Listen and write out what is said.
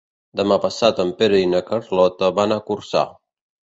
Demà passat en Pere i na Carlota van a Corçà.